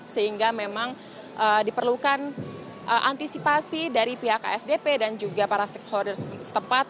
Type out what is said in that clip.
sehingga memang diperlukan antisipasi dari pihak asdp dan juga para stakeholder setempat